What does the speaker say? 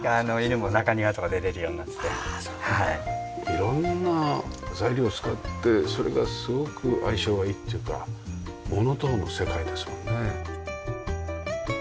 色んな材料使ってそれがすごく相性がいいっていうかモノトーンの世界ですもんね。